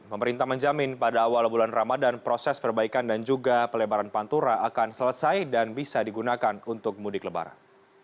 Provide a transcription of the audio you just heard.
pemerintah menjamin pada awal bulan ramadan proses perbaikan dan juga pelebaran pantura akan selesai dan bisa digunakan untuk mudik lebaran